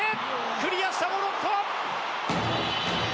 クリアしたモロッコ。